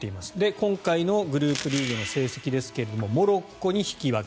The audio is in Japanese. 今回のグループリーグの成績ですがモロッコに引き分け